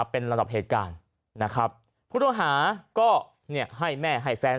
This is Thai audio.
เป็นระดับเหตุการณ์นะครับผู้ต้องหาก็เนี่ยให้แม่ให้แฟน